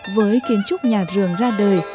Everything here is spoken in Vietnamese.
với kiến trúc nhà giường ra đời